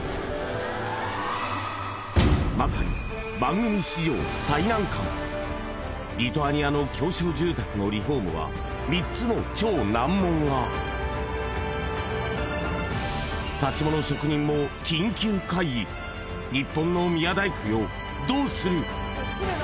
まさにリトアニアの狭小住宅のリフォームは３つの超難問がさしもの職人も緊急会議日本の宮大工よどうする？